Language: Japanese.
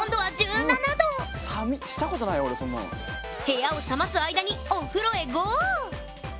部屋を冷ます間にお風呂へゴー！